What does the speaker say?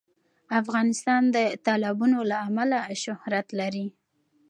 افغانستان د تالابونه له امله شهرت لري.